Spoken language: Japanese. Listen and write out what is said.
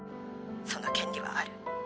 その権利はある。